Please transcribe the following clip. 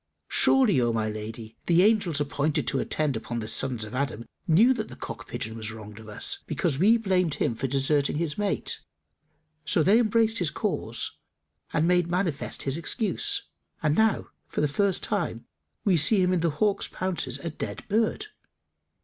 Surely, O my lady, the angels appointed to attend upon the sons of Adam, knew that the cock pigeon was wronged of us, because we blamed him for deserting his mate; so they embraced his cause and made manifest his excuse; and now for the first time we see him in the hawk's pounces a dead bird."